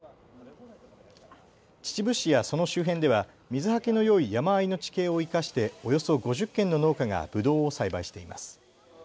秩父市やその周辺では水はけのよい山あいの地形を生かして、およそ５０軒の農家がぶどうを栽培しています。